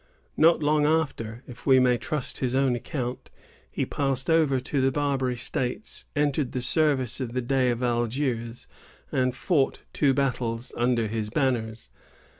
Not long after, if we may trust his own account, he passed over to the Barbary States, entered the service of the Dey of Algiers, and fought two battles under his banners.